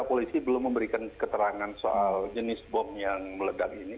polisi belum memberikan keterangan soal jenis bom yang meledak ini